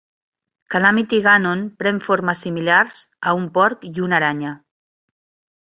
Calamity Ganon pren formes similars a un porc i una aranya.